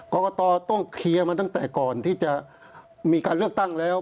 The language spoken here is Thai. กรกตต้องเคลียร์มาตั้งแต่ก่อนที่จะมีการเลือกตั้งแล้ว